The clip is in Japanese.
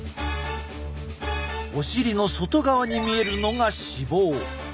お尻の外側に見えるのが脂肪。